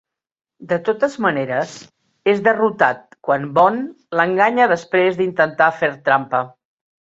De totes maneres, és derrotat quan Bond l'enganya després d'intentar fer trampa.